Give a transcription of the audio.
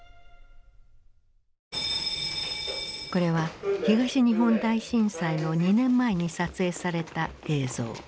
これは東日本大震災の２年前に撮影された映像。